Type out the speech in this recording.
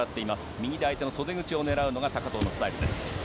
右手袖口を狙うのが高藤のスタイル。